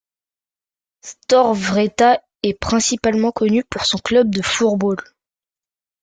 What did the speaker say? Storvreta est principalement connu pour son club de floorball.